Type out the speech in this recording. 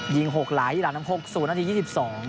ยิง๖หลายอิรานน้ำ๖๐นาที๒๒